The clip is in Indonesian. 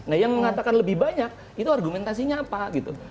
nah yang mengatakan lebih banyak itu argumentasinya apa gitu